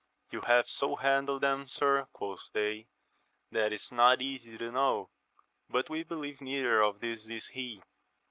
You have so handled them, sir, quoth they, that it is not easy to know, but we believe neither of these is he.